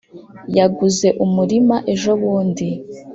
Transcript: yaguze umurima ejo bundi